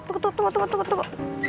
tunggu tunggu tunggu